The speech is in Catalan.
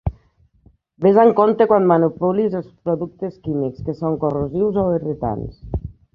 Vés amb compte quan manipulis els productes químics que són corrosius o irritants.